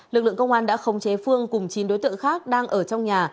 lực lượng công an đã khống chế phương cùng chín đối tượng khác đang ở trong nhà